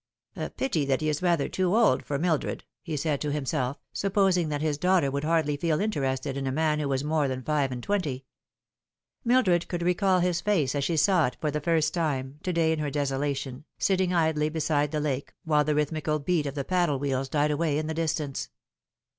" A pity that he is rather too old for Mildred," he said to himself, supposing that his daughter would hardly feel interested in a man who was more than five and twenty. Mildred could recall his face as she saw it for the first time, to day in her desolation, sitting idly beside the lake, while the rhythmical beat of the paddle wheels died away in the distance.